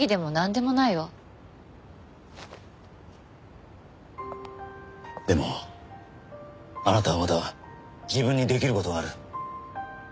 でもあなたはまだ自分にできる事がある。